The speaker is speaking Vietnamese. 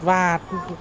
và trường cấp ba